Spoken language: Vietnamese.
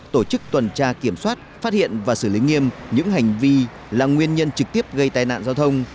tổ chức tuần tra kiểm soát phát hiện và xử lý nghiêm những hành vi là nguyên nhân trực tiếp gây tai nạn giao thông